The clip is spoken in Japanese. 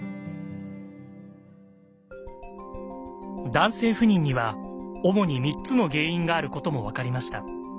男性不妊には主に３つの原因があることも分かりました。